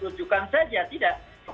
ujukan saja tidak